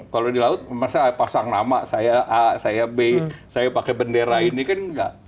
kalau di laut saya pasang nama saya a saya b saya pakai bendera ini kan enggak